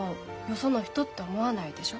その人って思わないでしょ？